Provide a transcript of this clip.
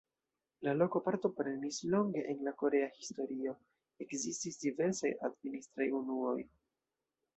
La loko partoprenis longe en la korea historio, ekzistis diversaj administraj unuoj.